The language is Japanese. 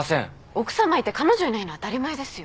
奥さまいて彼女いないの当たり前ですよ。